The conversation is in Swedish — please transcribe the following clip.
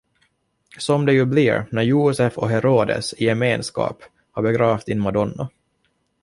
Som det ju blir när Josef och Herodes i gemenskap har begravt din madonna.